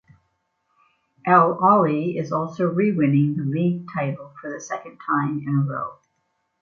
Al-Ahly is also re-winning the league title for the second time in a row.